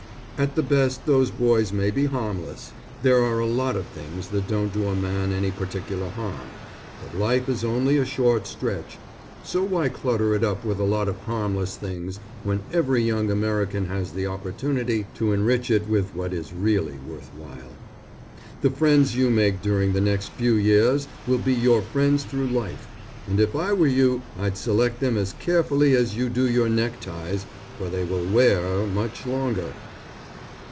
At the best those boys may be harmless. There are a lot of things that don't do a man any particular harm, but life is only a short stretch, so why clutter it up with a lot of harmless things, when every young American has the opportunity to enrich it with what is really worth while. The friends you make during the next few years will be your friends through life, and if I were you I'd select them as carefully as you do your neckties for they will wear much longer.